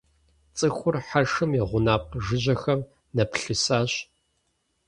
ЦӀыхур хьэршым и гъунапкъэ жыжьэхэм нэплъысащ.